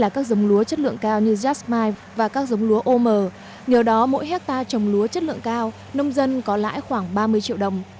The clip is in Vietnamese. các dòng lúa chất lượng cao như jasmine và các dòng lúa ô mờ nhờ đó mỗi hectare trồng lúa chất lượng cao nông dân có lãi khoảng ba mươi triệu đồng